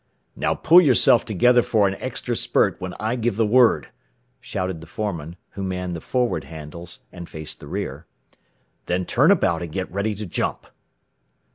"Now pull yourself together for an extra spurt when I give the word," shouted the foreman, who manned the forward handles, and faced the rear, "then turn about and get ready to jump."